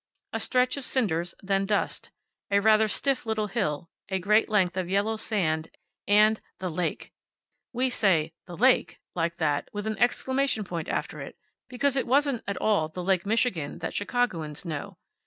A stretch of cinders, then dust, a rather stiff little hill, a great length of yellow sand and the lake! We say, the lake! like that, with an exclamation point after it, because it wasn't at all the Lake Michigan that Chicagoans know.